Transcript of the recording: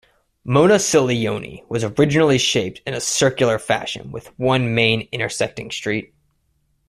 Monacilioni was originally shaped in a circular fashion with one main intersecting street.